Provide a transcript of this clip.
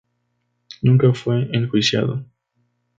Nunca fue enjuiciado.